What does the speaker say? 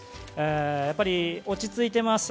やっぱり落ち着いています。